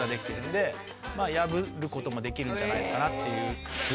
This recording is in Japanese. まぁ破ることもできるんじゃないかなっていう。